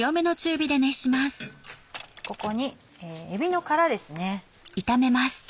ここにえびの殻ですね。